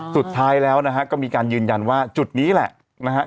สุดท้ายแล้วนะฮะก็มีการยืนยันว่าจุดนี้แหละนะฮะ